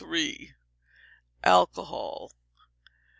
Alcohol.